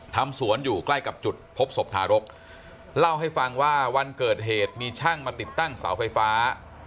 ทำสวนอยู่ใกล้กับจุดพบศพทารกเล่าให้ฟังว่าวันเกิดเหตุมีช่างมาติดตั้งเสาไฟฟ้า